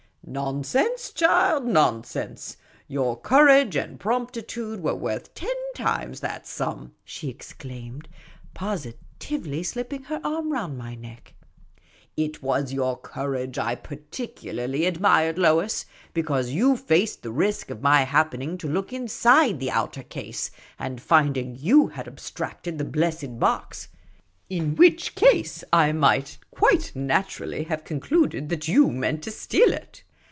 " Nonsense, child, nonsense ! Your courage and prompti tude were worth ten times that sum," she exclaimed, posi 31 32 Miss Cayley's Adventures tively slipping her arm round my neck. " It was your courage I particularly admired, Lois ; because you faced the risk of my happening to look inside the outer case, and find ing you had abstracted the blessed box ; in which case I I PUT HER HAND BACK FIRMLV. might quite naturally have concluded you meant to steal it."